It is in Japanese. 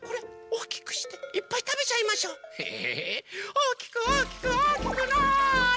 おおきくおおきくおおきくなあれ！